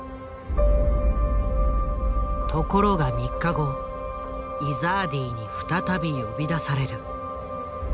ところが３日後イザーディに再び呼び出される。